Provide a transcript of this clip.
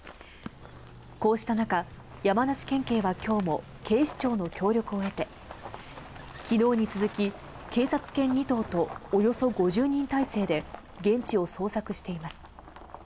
こうした中、山梨県警はきょうも、警視庁の協力を得て、きのうに続き、警察犬２頭とおよそ５０人態勢で現地を捜索しています。